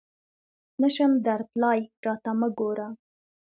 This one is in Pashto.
نه شم درتلای ، راته مه ګوره !